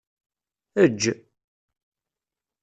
Eǧǧ.